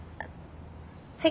はい。